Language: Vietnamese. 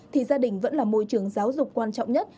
thì gia đình vẫn là môi trường giáo dục quan trọng nhất